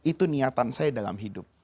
itu niatan saya dalam hidup